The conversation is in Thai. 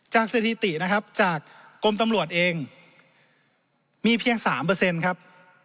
สถิตินะครับจากกรมตำรวจเองมีเพียง๓ครับ